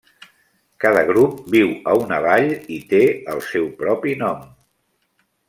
Cada grup viu a una vall i té el seu propi nom.